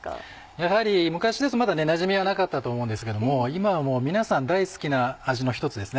やはり昔ですとまだなじみはなかったと思うんですけども今はもう皆さん大好きな味の一つですね。